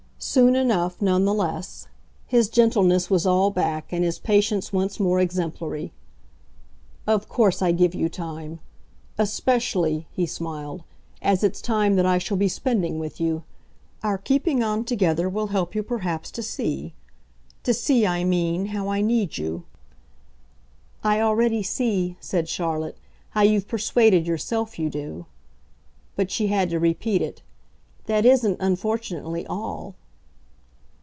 Soon enough, none the less, his gentleness was all back and his patience once more exemplary. "Of course I give you time. Especially," he smiled, "as it's time that I shall be spending with you. Our keeping on together will help you perhaps to see. To see, I mean, how I need you." "I already see," said Charlotte, "how you've persuaded yourself you do." But she had to repeat it. "That isn't, unfortunately, all."